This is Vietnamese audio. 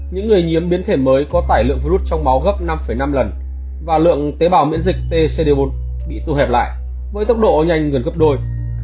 những người nhiễm biến thể mới có tải lượng virus trong máu gấp năm năm lần và lượng tế bào miễn dịch tcd bốn bị thu hẹp lại với tốc độ nhanh gần gấp đôi